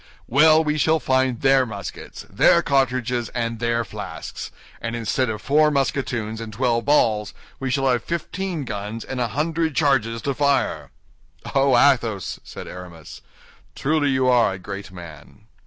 "Well, we shall find their muskets, their cartridges, and their flasks; and instead of four musketoons and twelve balls, we shall have fifteen guns and a hundred charges to fire." "Oh, Athos!" said Aramis, "truly you are a great man."